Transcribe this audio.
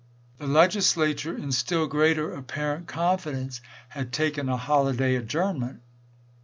The Legislature, in still greater apparent confidence, had taken a holi day adjournment.